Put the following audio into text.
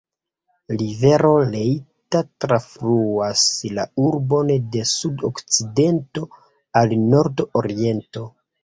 Rivero Leitha trafluas la urbon de sud-okcidento al nord-oriento.